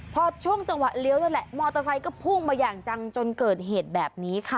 พอช่วงจังหวะเลี้ยวนั่นแหละมอเตอร์ไซค์ก็พุ่งมาอย่างจังจนเกิดเหตุแบบนี้ค่ะ